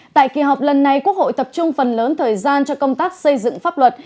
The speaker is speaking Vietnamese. tại kỳ họp lần này quốc hội tập trung phần lớn thời gian cho công tác xây dựng pháp luật